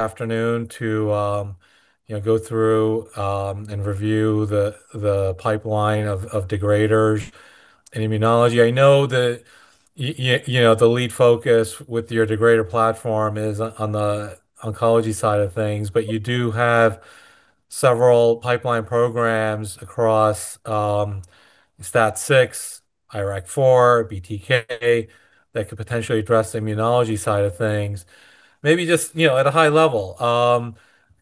Afternoon to, you know, go through and review the pipeline of degraders in immunology. I know that you know, the lead focus with your degrader platform is on the oncology side of things, but you do have several pipeline programs across STAT6, IRAK4, BTK that could potentially address the immunology side of things. Maybe just, you know, at a high level,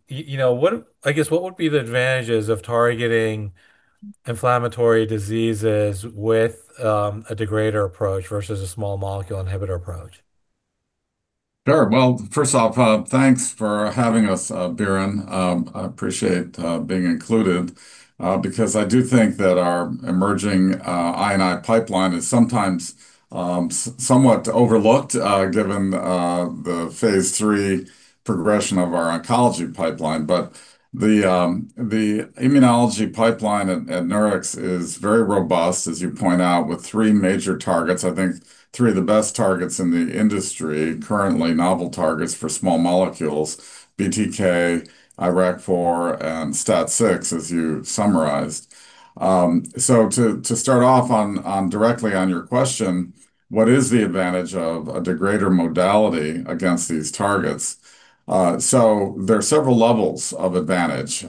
you know, I guess, what would be the advantages of targeting inflammatory diseases with a degrader approach versus a small molecule inhibitor approach? Sure. Well, first off, thanks for having us, Biren. I appreciate being included because I do think that our emerging I&I pipeline is sometimes somewhat overlooked, given the Phase 3 progression of our oncology pipeline. But the immunology pipeline at Nurix is very robust, as you point out, with three major targets. I think three of the best targets in the industry, currently novel targets for small molecules: BTK, IRAK4, and STAT6, as you summarized. So to start off directly on your question, what is the advantage of a degrader modality against these targets? So there are several levels of advantage.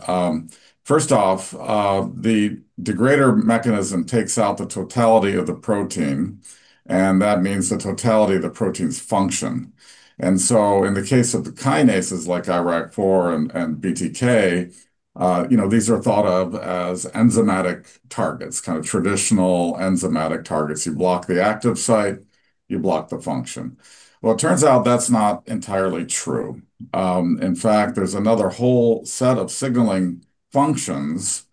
First off, the degrader mechanism takes out the totality of the protein, and that means the totality of the protein's function. So in the case of the kinases, like IRAK4 and BTK, you know, these are thought of as enzymatic targets, kind of traditional enzymatic targets. You block the active site, you block the function. Well, it turns out that's not entirely true. In fact, there's another whole set of signaling functions,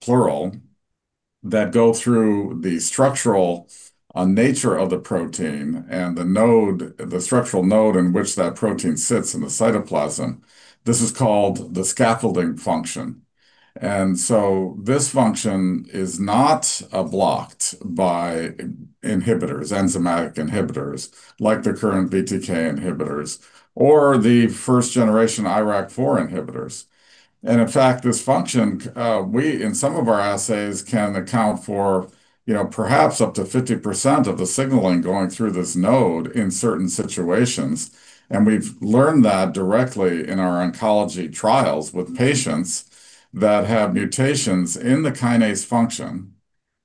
plural, that go through the structural nature of the protein and the structural node in which that protein sits in the cytoplasm. This is called the scaffolding function, and so this function is not blocked by inhibitors, enzymatic inhibitors, like the current BTK inhibitors or the first-generation IRAK4 inhibitors. In fact, this function, we, in some of our assays, can account for, you know, perhaps up to 50% of the signaling going through this node in certain situations. We've learned that directly in our oncology trials with patients that have mutations in the kinase function.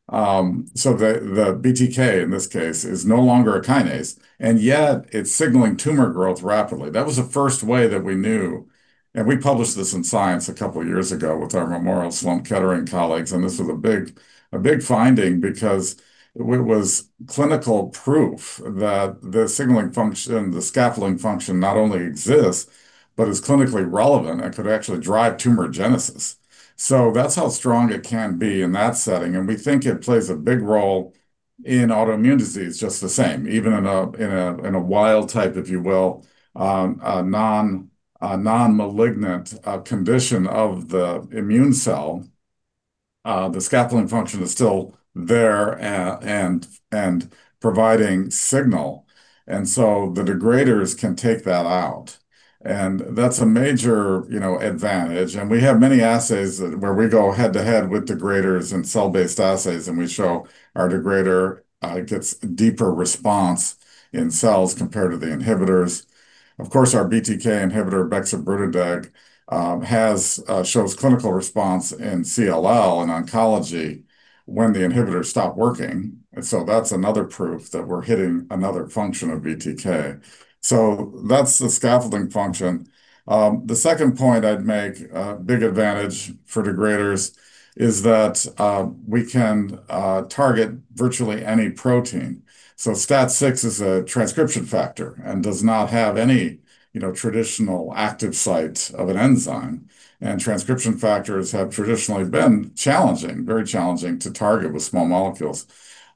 So the BTK, in this case, is no longer a kinase, and yet it's signaling tumor growth rapidly. That was the first way that we knew, and we published this in Science a couple of years ago with our Memorial Sloan Kettering colleagues, and this was a big finding because it was clinical proof that the signaling function, the scaffolding function not only exists, but is clinically relevant and could actually drive tumorigenesis. So that's how strong it can be in that setting, and we think it plays a big role in autoimmune disease just the same. Even in a wild type, if you will, a non-malignant condition of the immune cell, the scaffolding function is still there, and providing signal, and so the degraders can take that out. And that's a major, you know, advantage. And we have many assays where we go head-to-head with degraders in cell-based assays, and we show our degrader gets deeper response in cells compared to the inhibitors. Of course, our BTK inhibitor, bexobrutideg, shows clinical response in CLL, in oncology, when the inhibitors stop working. And so that's another proof that we're hitting another function of BTK. So that's the scaffolding function. The second point I'd make, a big advantage for degraders, is that we can target virtually any protein. So STAT6 is a transcription factor and does not have any, you know, traditional active site of an enzyme, and transcription factors have traditionally been challenging, very challenging to target with small molecules.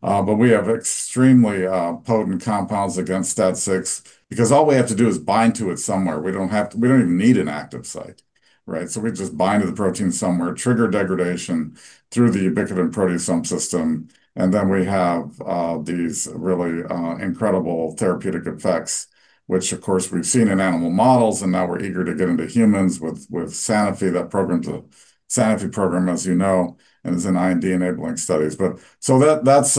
But we have extremely, potent compounds against STAT6 because all we have to do is bind to it somewhere. We don't even need an active site, right? So we just bind to the protein somewhere, trigger degradation through the ubiquitin-proteasome system, and then we have these really, incredible therapeutic effects, which, of course, we've seen in animal models, and now we're eager to get into humans with Sanofi. That program is a Sanofi program, as you know, and is in IND-enabling studies. But so that, that's,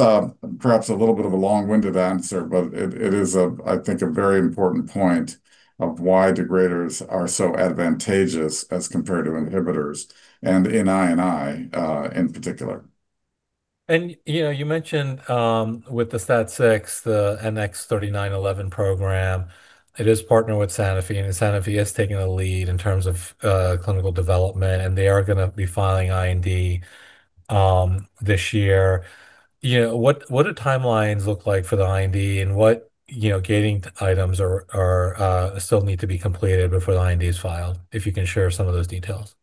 perhaps a little bit of a long-winded answer, but it, it is a, I think, a very important point of why degraders are so advantageous as compared to inhibitors, and in I&I, in particular. You know, you mentioned, with the STAT6, the NX-3911 program, it is partnered with Sanofi, and Sanofi is taking the lead in terms of, clinical development, and they are gonna be filing IND, this year. You know, what, what do timelines look like for the IND, and what, you know, gating items are, still need to be completed before the IND is filed? If you can share some of those details.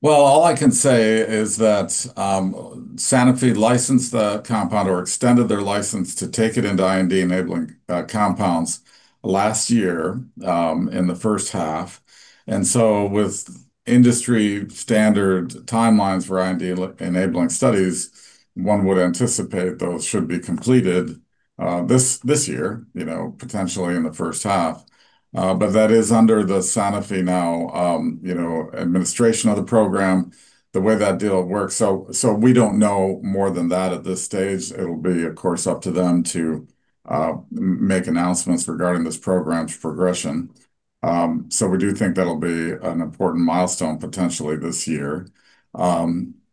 Well, all I can say is that, Sanofi licensed the compound or extended their license to take it into IND-enabling compounds last year, in the first half. And so with industry standard timelines for IND-enabling studies, one would anticipate those should be completed, this year, you know, potentially in the first half. But that is under the Sanofi now, administration of the program, the way that deal works. So, so we don't know more than that at this stage. It'll be, of course, up to them to, make announcements regarding this program's progression. So we do think that'll be an important milestone potentially this year.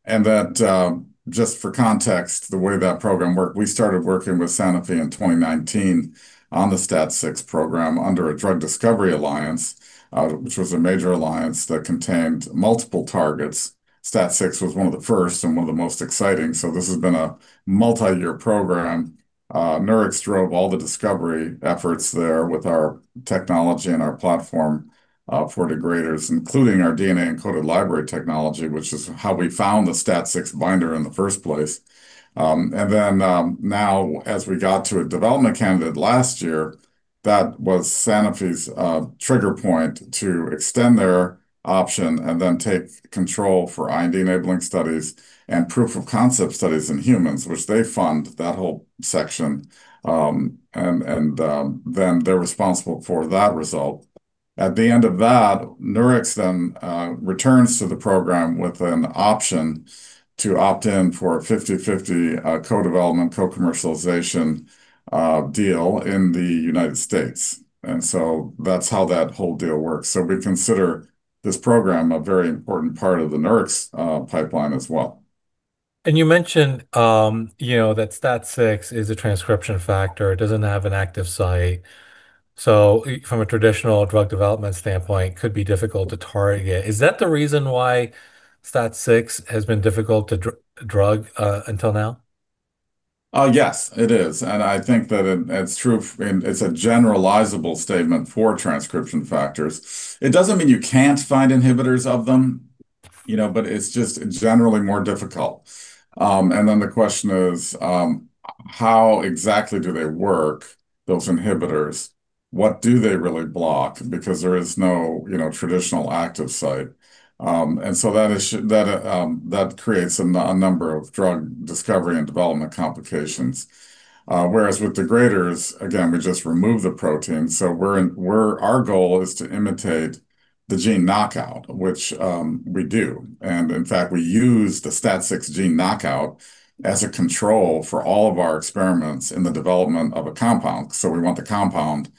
That, just for context, the way that program worked, we started working with Sanofi in 2019 on the STAT6 program under a drug discovery alliance, which was a major alliance that contained multiple targets. STAT6 was one of the first and one of the most exciting. So this has been a multi-year program. Nurix drove all the discovery efforts there with our technology and our platform for degraders, including our DNA-encoded library technology, which is how we found the STAT6 binder in the first place. And then, now as we got to a development candidate last year, that was Sanofi's trigger point to extend their option and then take control for IND-enabling studies and proof of concept studies in humans, which they fund that whole section. Then they're responsible for that result. At the end of that, Nurix then returns to the program with an option to opt in for a 50/50 co-development, co-commercialization deal in the United States. And so that's how that whole deal works. So we consider this program a very important part of the Nurix pipeline as well. You mentioned, you know, that STAT6 is a transcription factor. It doesn't have an active site. So from a traditional drug development standpoint, could be difficult to target. Is that the reason why STAT6 has been difficult to drug until now? Yes, it is, and I think that it's true, and it's a generalizable statement for transcription factors. It doesn't mean you can't find inhibitors of them, you know, but it's just generally more difficult. And then the question is, how exactly do they work, those inhibitors? What do they really block? Because there is no, you know, traditional active site. And so that creates a number of drug discovery and development complications. Whereas with degraders, again, we just remove the protein. So our goal is to imitate the gene knockout, which we do. And in fact, we use the STAT6 gene knockout as a control for all of our experiments in the development of a compound. So we want the compound to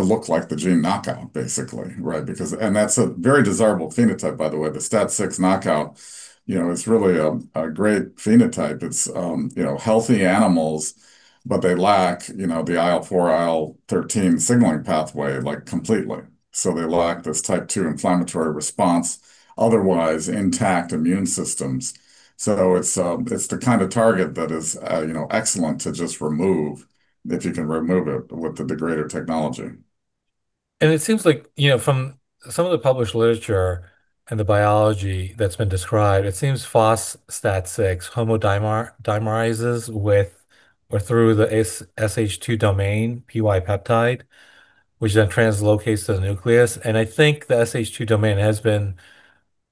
look like the gene knockout, basically, right? Because... That's a very desirable phenotype, by the way. The STAT6 knockout, you know, is really a great phenotype. It's, you know, healthy animals, but they lack, you know, the IL-4, IL-13 signaling pathway, like, completely. So they lack this type 2 inflammatory response, otherwise intact immune systems. So it's, it's the kind of target that is, you know, excellent to just remove, if you can remove it with the degrader technology. And it seems like, you know, from some of the published literature and the biology that's been described, it seems phospho-STAT6 homodimer dimerizes with or through the SH2 domain, pY peptide, which then translocates to the nucleus. And I think the SH2 domain has been,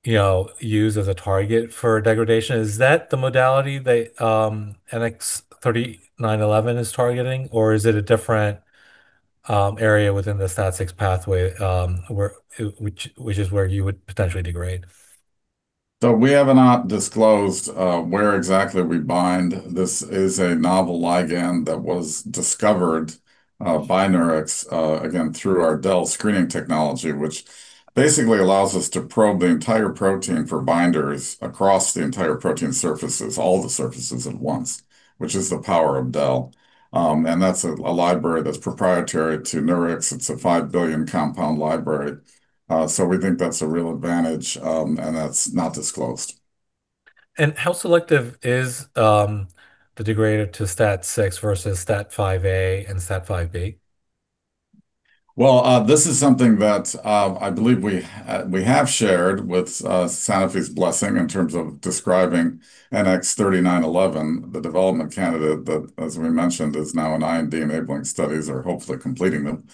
you know, used as a target for degradation. Is that the modality that NX-3911 is targeting, or is it a different area within the STAT6 pathway, which, which is where you would potentially degrade? So we have not disclosed where exactly we bind. This is a novel ligand that was discovered by Nurix again through our DEL screening technology, which basically allows us to probe the entire protein for binders across the entire protein surfaces, all the surfaces at once, which is the power of DEL. And that's a library that's proprietary to Nurix. It's a 5 billion compound library. So we think that's a real advantage, and that's not disclosed. How selective is the degrader to STAT6 versus STAT5A and STAT5B? Well, this is something that I believe we have shared with Sanofi's blessing in terms of describing NX-3911, the development candidate that, as we mentioned, is now in IND-enabling studies or hopefully completing them.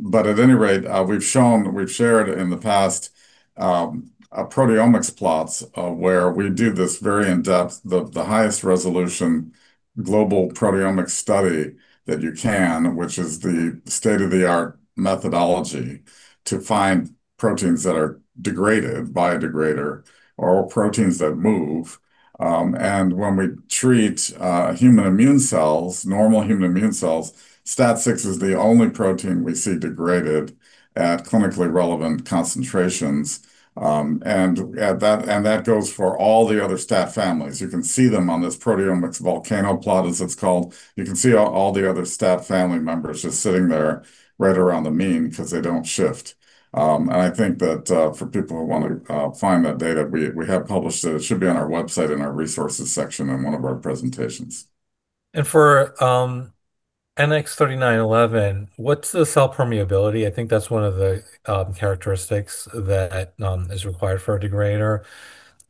But at any rate, we've shown, we've shared in the past, a proteomics plots, where we do this very in-depth, the highest resolution global proteomic study that you can, which is the state-of-the-art methodology, to find proteins that are degraded by a degrader or proteins that move. And when we treat human immune cells, normal human immune cells, STAT6 is the only protein we see degraded at clinically relevant concentrations. And that goes for all the other STAT families. You can see them on this proteomics volcano plot, as it's called. You can see all the other STAT family members just sitting there right around the mean because they don't shift. And I think that for people who want to find that data, we have published it. It should be on our website in our resources section in one of our presentations. For NX-3911, what's the cell permeability? I think that's one of the characteristics that is required for a degrader.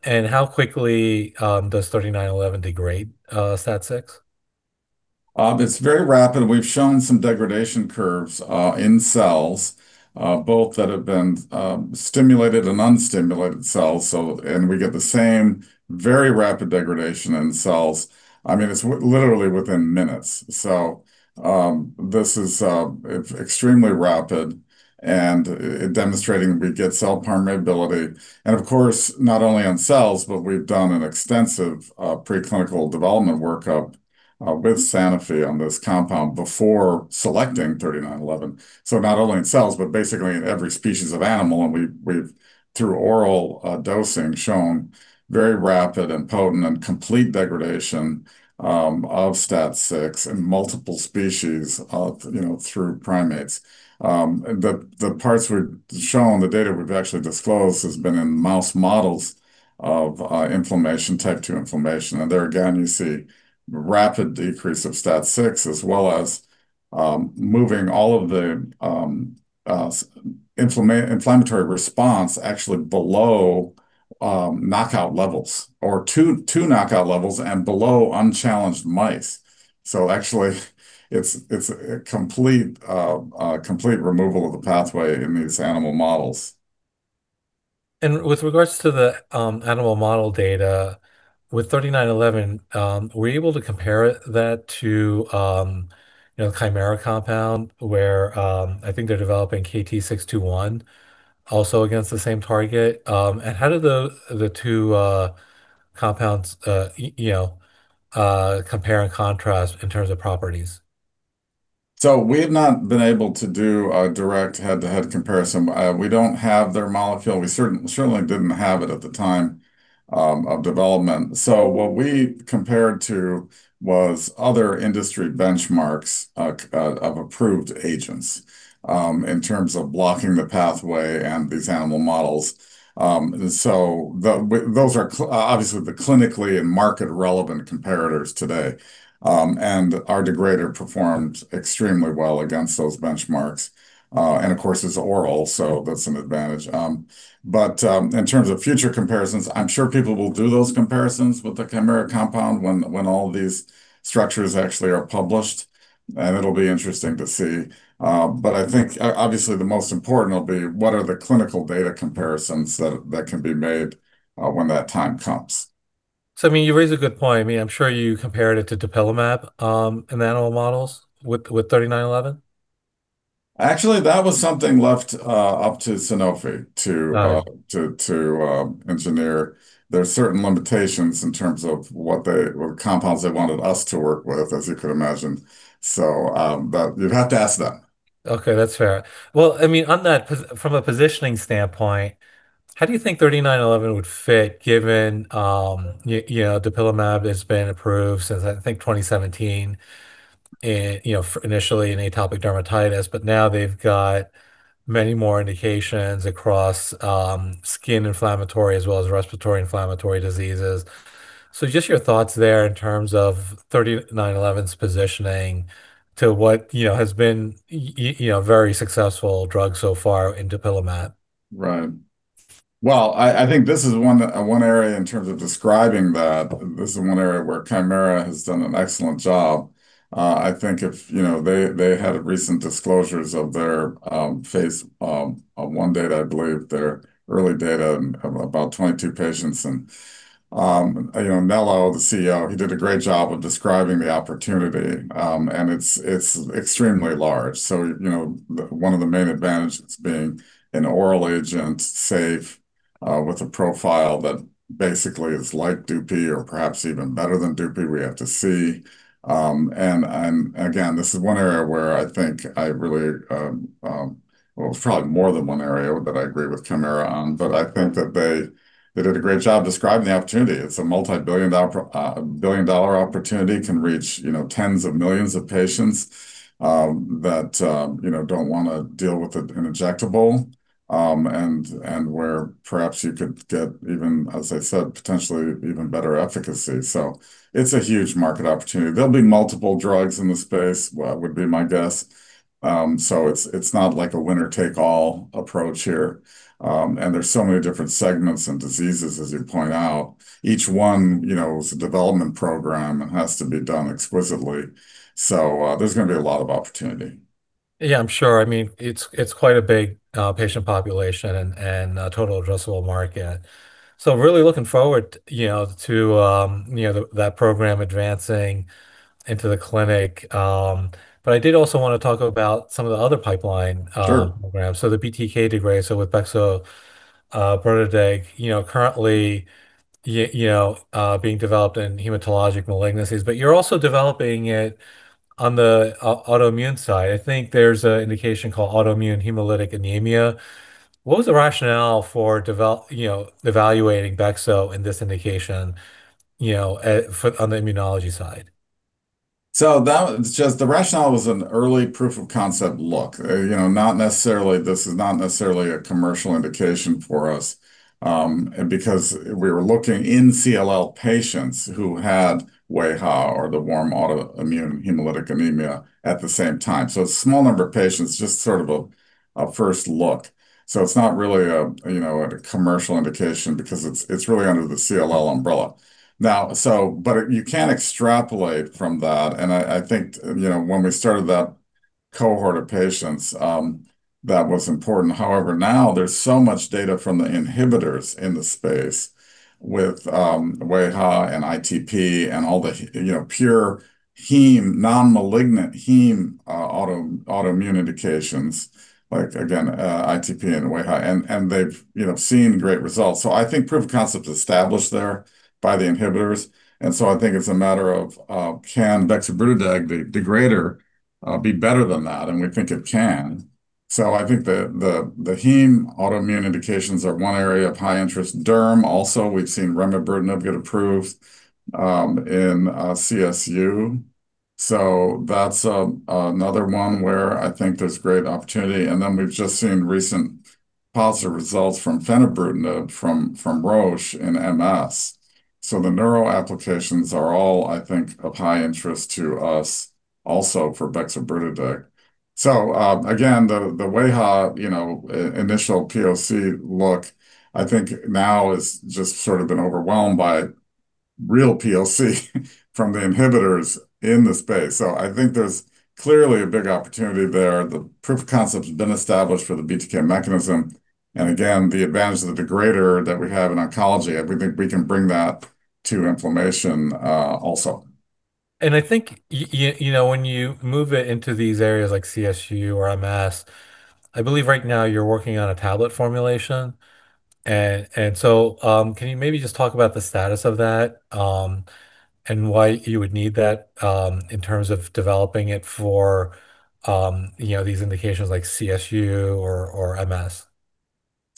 How quickly does 3911 degrade STAT6?... It's very rapid. We've shown some degradation curves in cells, both that have been stimulated and unstimulated cells. So, and we get the same very rapid degradation in cells. I mean, it's literally within minutes. So, this is extremely rapid, and it demonstrating we get cell permeability. And of course, not only on cells, but we've done an extensive preclinical development workup with Sanofi on this compound before selecting NX-3911. So not only in cells, but basically in every species of animal, and we've, through oral dosing, shown very rapid and potent and complete degradation of STAT6 in multiple species, you know, through primates. The parts we've shown, the data we've actually disclosed has been in mouse models of inflammation, type 2 inflammation. There again, you see rapid decrease of STAT6, as well as moving all of the inflammatory response actually below knockout levels or 2, 2 knockout levels and below unchallenged mice. So actually, it's a complete removal of the pathway in these animal models. With regards to the animal model data with NX-3911, were you able to compare that to, you know, Kymera compound, where I think they're developing KT-621, also against the same target? How do the two compounds compare and contrast in terms of properties? We have not been able to do a direct head-to-head comparison. We don't have their molecule. We certainly didn't have it at the time of development. What we compared to was other industry benchmarks of approved agents in terms of blocking the pathway and these animal models. Those are obviously the clinically and market-relevant comparators today. And our degrader performed extremely well against those benchmarks. And of course, it's oral, so that's an advantage. In terms of future comparisons, I'm sure people will do those comparisons with the Kymera compound when all these structures actually are published, and it'll be interesting to see. I think obviously the most important will be what are the clinical data comparisons that can be made when that time comes. So, I mean, you raise a good point. I mean, I'm sure you compared it to dupilumab in animal models with NX-3911. Actually, that was something left up to Sanofi to- Oh.... to engineer. There are certain limitations in terms of what they, what compounds they wanted us to work with, as you could imagine. So, but you'd have to ask them. Okay, that's fair. Well, I mean, from a positioning standpoint, how do you think NX-3911 would fit, given you know, dupilumab has been approved since, I think, 2017, and, you know, initially in atopic dermatitis, but now they've got many more indications across skin inflammatory as well as respiratory inflammatory diseases. So just your thoughts there in terms of NX-3911's positioning to what, you know, has been you know, very successful drug so far in dupilumab. Right. Well, I think this is one that, one area in terms of describing that, this is one area where Kymera has done an excellent job. I think, you know, they had recent disclosures of their phase one data, I believe, their early data of about 22 patients. And, you know, Nello, the CEO, he did a great job of describing the opportunity, and it's extremely large. So, you know, one of the main advantages, it's being an oral agent, safe, with a profile that basically is like dupi or perhaps even better than dupi, we have to see. And again, this is one area where I think I really... Well, it's probably more than one area that I agree with Kymera on, but I think that they, they did a great job describing the opportunity. It's a multibillion-dollar billion-dollar opportunity, can reach, you know, tens of millions of patients, that, you know, don't wanna deal with it, an injectable, and, and where perhaps you could get even, as I said, potentially even better efficacy. So it's a huge market opportunity. There'll be multiple drugs in the space, well, would be my guess. So it's, it's not like a winner-take-all approach here. And there's so many different segments and diseases, as you point out. Each one, you know, is a development program and has to be done exquisitely. So, there's gonna be a lot of opportunity. Yeah, I'm sure. I mean, it's quite a big patient population and total addressable market. So really looking forward, you know, to you know, that program advancing into the clinic. But I did also want to talk about some of the other pipeline- Sure... programs. So the BTK degrader, so with bexobrutideg, you know, currently, you know, being developed in hematologic malignancies, but you're also developing it on the autoimmune side. I think there's an indication called autoimmune hemolytic anemia. What was the rationale for devel- you know, evaluating bexobrutideg in this indication, you know, for, on the immunology side? So that was just the rationale was an early proof of concept look. You know, not necessarily, this is not necessarily a commercial indication for us, and because we were looking in CLL patients who had wAIHA or the warm autoimmune hemolytic anemia at the same time. So a small number of patients, just sort of a first look. So it's not really, you know, a commercial indication because it's really under the CLL umbrella. Now, but you can't extrapolate from that, and I think, you know, when we started that cohort of patients, that was important. However, now there's so much data from the inhibitors in the space with wAIHA and ITP and all the, you know, pure heme, non-malignant heme, autoimmune indications, like, again, ITP and wAIHA, and they've, you know, seen great results. So I think proof of concept is established there by the inhibitors, and so I think it's a matter of, can bexobrutideg, the degrader, be better than that? And we think it can. So I think the heme autoimmune indications are one area of high interest. Derm, also, we've seen remibrutinib get approved in CSU. So that's another one where I think there's great opportunity, and then we've just seen recent positive results from venetoclax from Roche in MS. So the neuro applications are all, I think, of high interest to us, also for bexobrutideg. So, again, the wAIHA, you know, initial POC look, I think now it's just sort of been overwhelmed by real POC from the inhibitors in the space. So I think there's clearly a big opportunity there. The proof of concept has been established for the BTK mechanism, and again, the advantage of the degrader that we have in oncology, and we think we can bring that to inflammation, also. I think you know, when you move it into these areas like CSU or MS, I believe right now you're working on a tablet formulation. Can you maybe just talk about the status of that, and why you would need that, in terms of developing it for, you know, these indications like CSU or MS?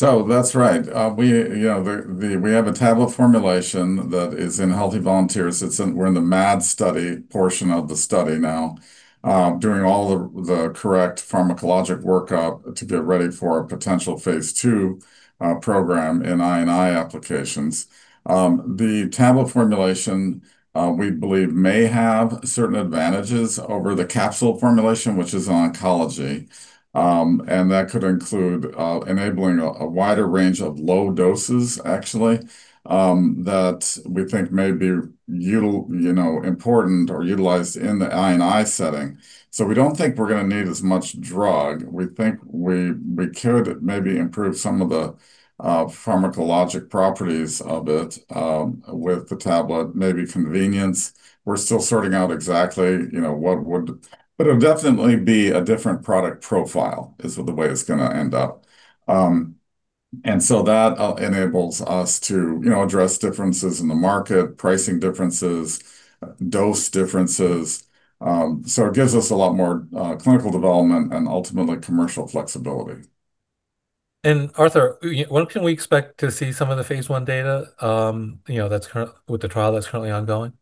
So that's right. We, you know, have a tablet formulation that is in healthy volunteers. It's in, we're in the MAD study portion of the study now, doing all the correct pharmacologic workup to get ready for a potential Phase 2 program in I and I applications. The tablet formulation, we believe, may have certain advantages over the capsule formulation, which is in oncology. And that could include enabling a wider range of low doses, actually, that we think may be util- you know, important or utilized in the I and I setting. So we don't think we're gonna need as much drug. We think we could maybe improve some of the pharmacologic properties of it with the tablet, maybe convenience. We're still sorting out exactly, you know, what would... But it'll definitely be a different product profile, is the way it's gonna end up. And so that enables us to, you know, address differences in the market, pricing differences, dose differences. So it gives us a lot more clinical development and ultimately commercial flexibility. Arthur, when can we expect to see some of the Phase 1 data, you know, with the trial that's currently ongoing?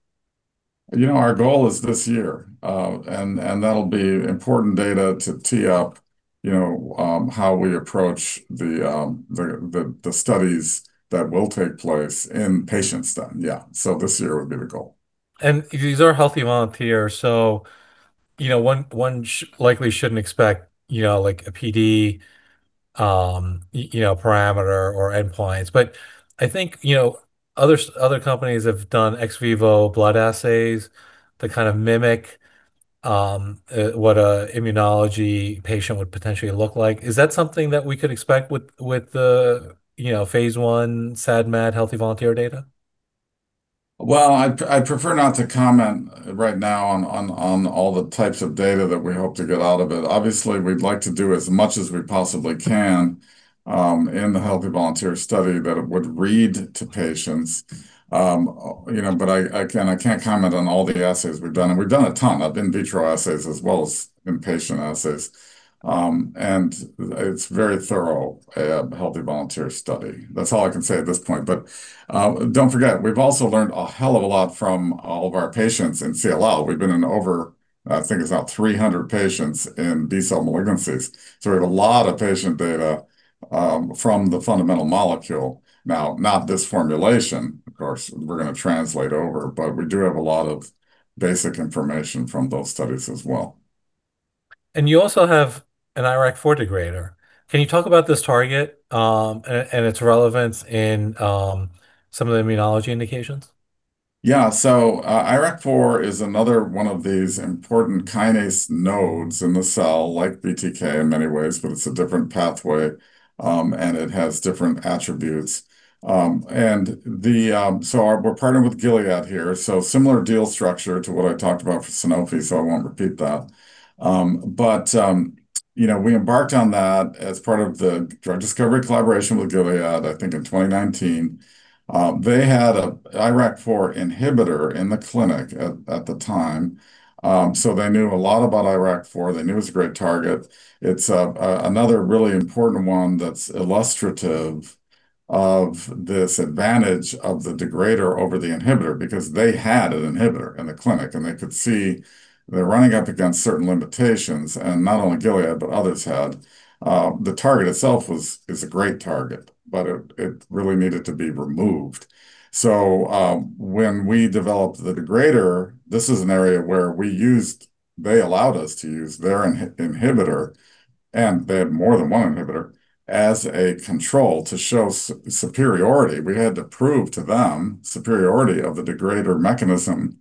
You know, our goal is this year. And that'll be important data to tee up, you know, how we approach the studies that will take place in patients then. Yeah, so this year would be the goal. These are healthy volunteers, so, you know, one shouldn't likely expect, you know, like a PD, you know, parameter or endpoint. But I think, you know, other companies have done ex vivo blood assays to kind of mimic what an immunology patient would potentially look like. Is that something that we could expect with the, you know, Phase 1 SAD, MAD, healthy volunteer data? Well, I'd prefer not to comment right now on all the types of data that we hope to get out of it. Obviously, we'd like to do as much as we possibly can in the healthy volunteer study that it would read to patients. You know, but I can't comment on all the assays we've done, and we've done a ton of in vitro assays as well as in vivo assays. And it's very thorough healthy volunteer study. That's all I can say at this point. But don't forget, we've also learned a hell of a lot from all of our patients in CLL. We've been in over, I think it's about 300 patients in B-cell malignancies. So we have a lot of patient data from the fundamental molecule. Now, not this formulation, of course, we're gonna translate over, but we do have a lot of basic information from those studies as well. And you also have an IRAK4 degrader. Can you talk about this target and its relevance in some of the immunology indications? Yeah, so, IRAK4 is another one of these important kinase nodes in the cell, like BTK in many ways, but it's a different pathway, and it has different attributes. So we're partnered with Gilead here, so similar deal structure to what I talked about for Sanofi, so I won't repeat that. But, you know, we embarked on that as part of the drug discovery collaboration with Gilead, I think in 2019. They had a IRAK4 inhibitor in the clinic at the time, so they knew a lot about IRAK4. They knew it was a great target. It's another really important one that's illustrative of this advantage of the degrader over the inhibitor, because they had an inhibitor in the clinic, and they could see they're running up against certain limitations, and not only Gilead, but others had. The target itself was, is a great target, but it, it really needed to be removed. So, when we developed the degrader, this is an area where they allowed us to use their inhibitor, and they have more than one inhibitor as a control to show superiority. We had to prove to them superiority of the degrader mechanism,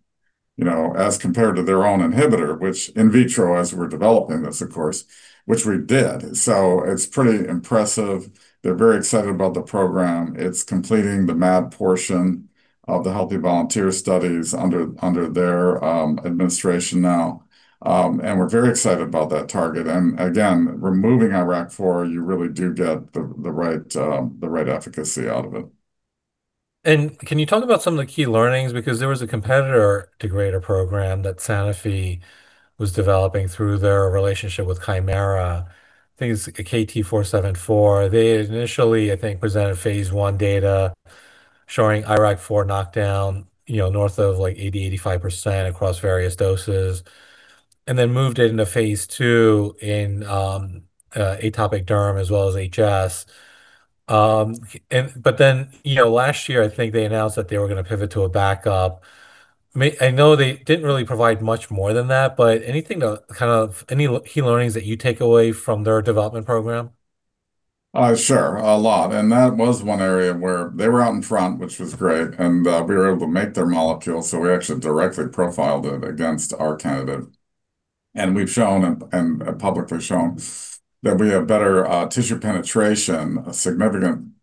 you know, as compared to their own inhibitor, which in vitro, as we're developing this, of course, which we did. So it's pretty impressive. They're very excited about the program. It's completing the MAD portion of the healthy volunteer studies under their administration now. And we're very excited about that target, and again, removing IRAK4, you really do get the, the right, the right efficacy out of it. Can you talk about some of the key learnings? Because there was a competitor degrader program that Sanofi was developing through their relationship with Kymera. I think it's KT-474. They initially, I think, presented Phase 1 data showing IRAK4 knockdown, you know, north of like 80%-85% across various doses, and then moved it into Phase 2 in atopic derm as well as HS. And but then, you know, last year, I think they announced that they were gonna pivot to a backup. Maybe I know they didn't really provide much more than that, but anything to kind of any key learnings that you take away from their development program? Sure, a lot, and that was one area where they were out in front, which was great, and we were able to make their molecule, so we actually directly profiled it against our candidate. And we've shown and publicly shown that we have better tissue penetration, significantly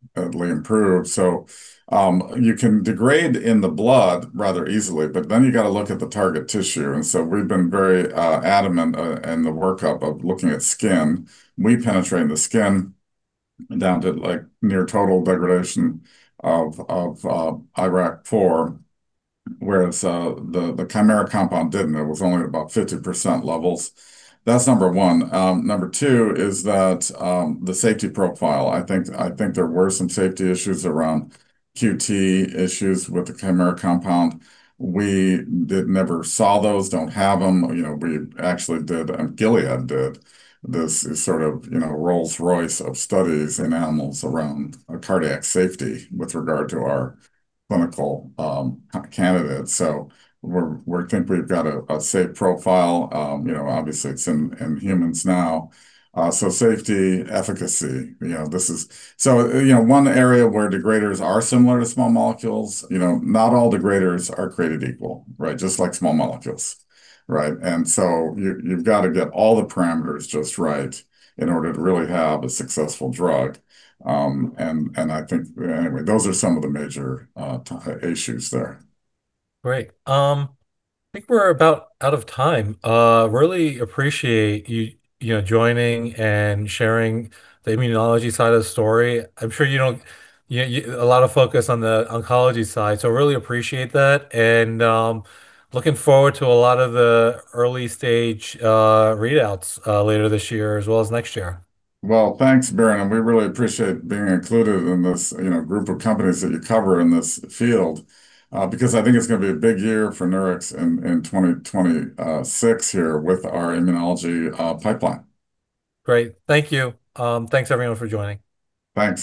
improved. So you can degrade in the blood rather easily, but then you got to look at the target tissue, and so we've been very adamant in the workup of looking at skin. We penetrate the skin down to, like, near total degradation of IRAK4, whereas the Kymera compound didn't. It was only about 50% levels. That's number one. Number two is that the safety profile. I think there were some safety issues around QT issues with the Kymera compound. We did never saw those, don't have them. You know, we actually did, and Gilead did. This is sort of, you know, a Rolls-Royce of studies in animals around cardiac safety with regard to our clinical candidate. So we're, we think we've got a safe profile. You know, obviously, it's in humans now. So safety, efficacy, you know, this is... So, you know, one area where degraders are similar to small molecules, you know, not all degraders are created equal, right? Just like small molecules, right? And so you, you've got to get all the parameters just right in order to really have a successful drug. And I think, anyway, those are some of the major issues there. Great. I think we're about out of time. Really appreciate you, you know, joining and sharing the immunology side of the story. I'm sure... A lot of focus on the oncology side, so really appreciate that, and, looking forward to a lot of the early-stage readouts later this year as well as next year. Well, thanks, Biren, and we really appreciate being included in this, you know, group of companies that you cover in this field. Because I think it's gonna be a big year for Nurix in 2026 here with our immunology pipeline. Great. Thank you. Thanks, everyone, for joining. Thanks.